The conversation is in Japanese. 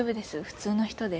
普通の人で。